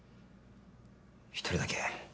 １人だけ。